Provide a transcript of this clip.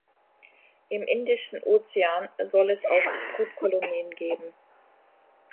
Im Indischen Ozean soll es auch Brutkolonien geben.